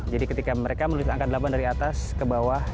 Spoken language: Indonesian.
jadi ketika mereka menulis angka delapan dari atas ke bawah